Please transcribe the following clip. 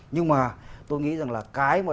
nhưng mà tôi nghĩ rằng là cái mà